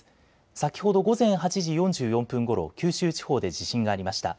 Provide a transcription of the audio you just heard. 先ほど午前８時４４分ごろ九州地方で地震がありました。